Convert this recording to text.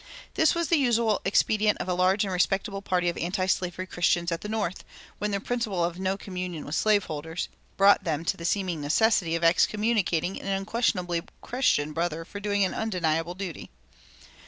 This was the usual expedient of a large and respectable party of antislavery Christians at the North, when their principle of "no communion with slave holders" brought them to the seeming necessity of excommunicating an unquestionably Christian brother for doing an undeniable duty.